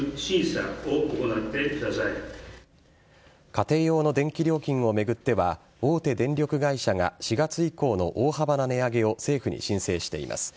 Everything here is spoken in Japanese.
家庭用の電気料金を巡っては大手電力会社が４月以降の大幅な値上げを政府に申請しています。